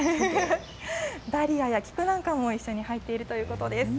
ダリアや菊なんかも一緒に入っているということです。